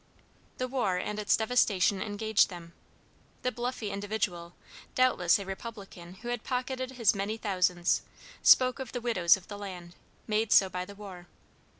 The war and its devastation engaged them. The bluffy individual, doubtless a Republican who had pocketed his many thousands, spoke of the widows of the land, made so by the war.